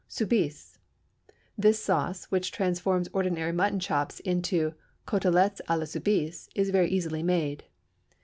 Soubise. This sauce, which transforms ordinary mutton chops into "côtelettes à la Soubise," is very easily made.